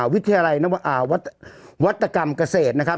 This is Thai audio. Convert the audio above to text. วิทยาลัยวัตกรรมเกษตรนะครับ